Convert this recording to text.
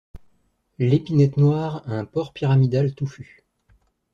L'Épinette noire a un port pyramidal touffu.